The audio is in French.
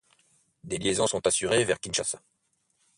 Des liaisons sont assurées vers Kinshasa.